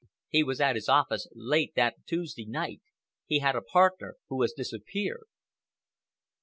He was at his office late that Tuesday night. He had a partner who has disappeared."